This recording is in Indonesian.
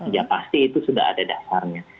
ya pasti itu sudah ada dasarnya